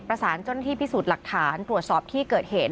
เจ้าหน้าที่พิสูจน์หลักฐานตรวจสอบที่เกิดเหตุ